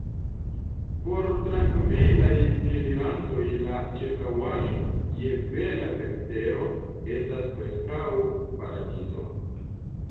Por trankvilaj piedirantoj la ĉirkaŭaĵo, je bela vetero, estas preskaŭ paradizo.